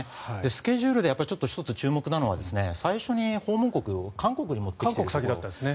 スケジュールで１つ注目なのは最初の訪問国を韓国に持ってきていると。